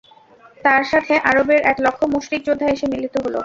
তার সাথে আরবের এক লক্ষ মুশরিক যোদ্ধা এসে মিলিত হল।